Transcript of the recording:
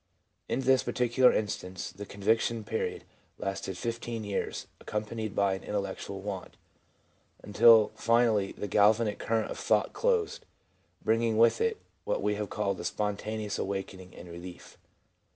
1 In this particular instance, the ' conviction period ' lasted fifteen years, accompanied by an 'intellectual want/ until finally the ' galvanic current of thought closed/ bring ing with it what we have called a ' spontaneous awaken ing ' and relief.